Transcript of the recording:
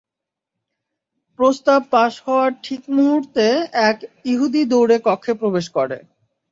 প্রস্তাব পাশ হওয়ার ঠিক মুহূর্তে এক ইহুদী দৌড়ে কক্ষে প্রবেশ করে।